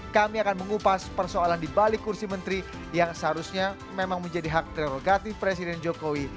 kami akan mengupas persoalan di balik kursi menteri yang seharusnya memang menjadi hak prerogatif presiden jokowi